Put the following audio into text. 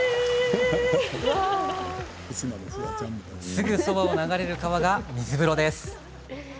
すぐそばを流れる川が水風呂です。